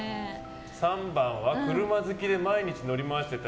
３番は車好きで毎日乗り回していた。